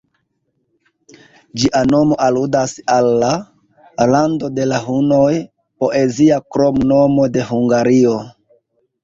Ĝia nomo aludas al la ""Lando de la Hunoj"", poezia kromnomo de Hungario.